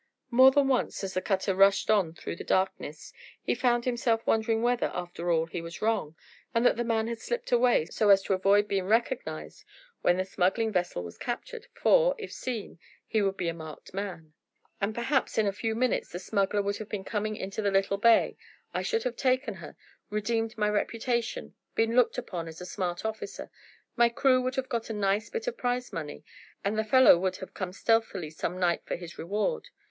More than once, as the cutter rushed on through the darkness, he found himself wondering whether, after all, he was wrong, and that the man had slipped away, so as to avoid being recognised when the smuggling vessel was captured, for, if seen, he would be a marked man. "And, perhaps, in a few minutes, the smuggler would have been coming into the little bay, I should have taken her, redeemed my reputation, been looked upon as a smart officer, my crew would have got a nice bit of prize money, and the fellow would have come stealthily some night for his reward.